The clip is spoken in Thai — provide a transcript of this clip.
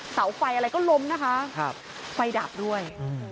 เสาไฟอะไรก็ล้มนะคะไฟดับด้วย